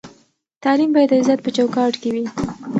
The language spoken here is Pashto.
تعلیم باید د عزت په چوکاټ کې وي.